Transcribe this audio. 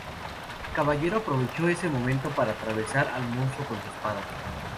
El caballero aprovechó ese momento para atravesar al monstruo con su espada.